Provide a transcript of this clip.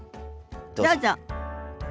どうぞ。